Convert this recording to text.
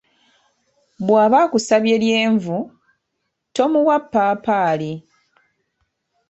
"Bw'aba akusabye lyenvu, tomuwa ppaapaali."